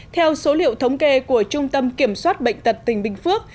theo số liệu thống kê của trung tâm kiểm soát bệnh tật tỉnh bình phước